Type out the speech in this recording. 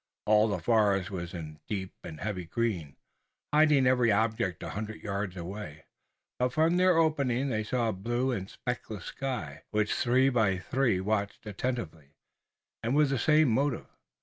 All the forest was in deep and heavy green, hiding every object a hundred yards away, but from their opening they saw a blue and speckless sky, which the three by and by watched attentively, and with the same motive.